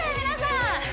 皆さん！